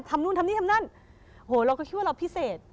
นู่นทำนี่ทำนั่นโหเราก็คิดว่าเราพิเศษ